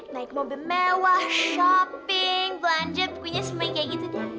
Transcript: naik mobil mewah shopping belanja punya semuanya kayak gitu